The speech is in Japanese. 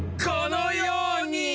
このように！